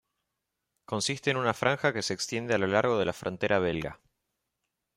Consiste en una franja que se extiende a lo largo de la frontera belga.